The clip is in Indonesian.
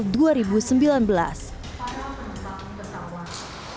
para penumpang pesawat